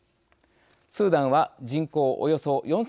スーダンは人口およそ４，５００万人